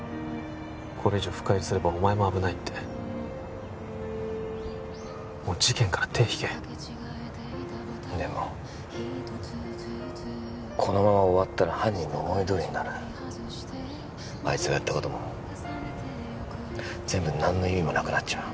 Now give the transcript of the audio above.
これ以上深入りすればお前も危ないってもう事件から手引けでもこのまま終わったら犯人の思いどおりになるあいつがやったことも全部何の意味もなくなっちまう